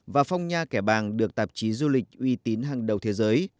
và phong nha kẻ bàng được tạp chí du lịch uy tín hàng đầu thế giới